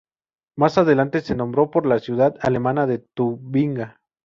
Más adelante se nombró por la ciudad alemana de Tubinga.